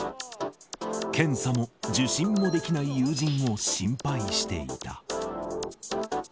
検査も受診もできない友人を心配していた。